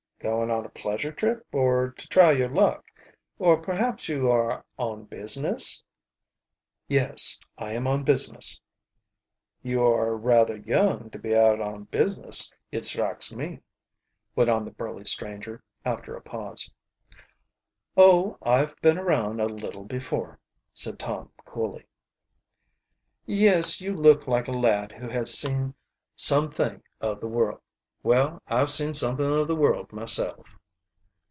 Going on a pleasure trip, or to try your luck? Or perhaps you are on business?" "Yes, I am on business." "You are rather young to be out on business, it strikes me," went on the burly stranger, after a pause. "Oh, I've been around a little before," said Tom coolly. "Yes, you look like a lad who has seen some thing of the world. Well, I've seen something of the world myself."